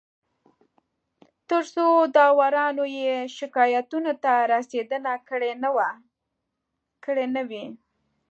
تر څو داورانو یې شکایتونو ته رسېدنه کړې نه وي